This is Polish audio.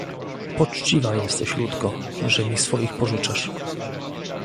"Poczciwa jesteś Ludko, że mi swoich pożyczasz."